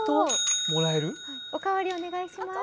お代わりお願いします。